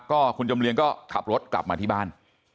ก็คุณจำเรียงก็ขับรถกลับมาที่บ้าน